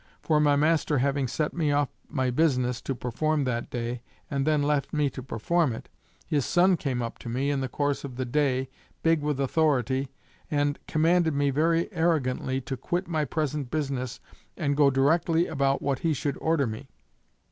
For my master having set me off my business to perform that day and then left me to perform it, his son came up to me in the course of the day, big with authority, and and commanded me very arrogantly to quit my present business and go directly about what he should order me.